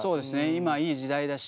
今いい時代だし。